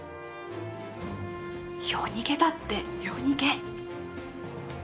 夜逃げだって、夜逃げ。